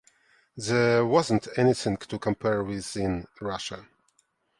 There wasn’t anything to compare with in Russia.